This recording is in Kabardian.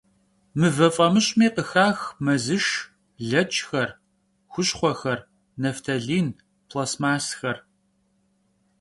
Mıve f'amış'mi khıxax mezışş, leçxer, xuşxhuexer, naftalin, plastmassxer.